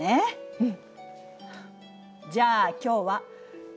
うん。